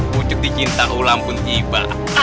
pucuk di cinta ulang pun ibadah